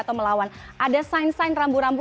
atau melawan ada sign sign rambu rambu